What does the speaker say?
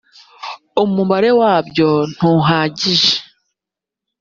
umubare wabyo ntuhagije.